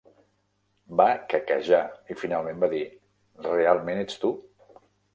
Va quequejar i finalment va dir "realment ets tu?".